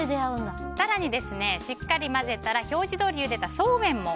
更に、しっかり混ぜたら表示どおりゆでた、そうめんも。